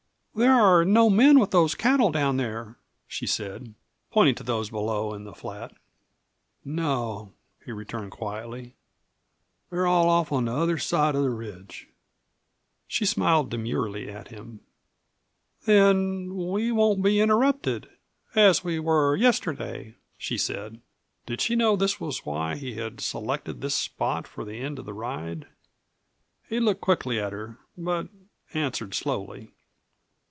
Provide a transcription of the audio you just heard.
"There are no men with those cattle down there," she said, pointing to those below in the flat. "No," he returned quietly; "they're all off on the other side of the ridge." She smiled demurely at him. "Then we won't be interrupted as we were yesterday," she said. Did she know that this was why he had selected this spot for the end of the ride? He looked quickly at her, but answered slowly.